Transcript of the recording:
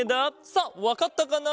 さあわかったかな？